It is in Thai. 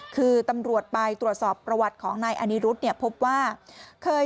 คือตำรวจไปตรวจสอบประวัติของนายอนิรุธเนี่ยพบว่าเคย